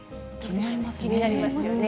気になりますね。